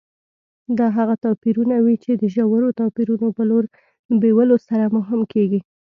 دا هغه توپیرونه وي چې د ژورو توپیرونو په لور بیولو سره مهم کېږي.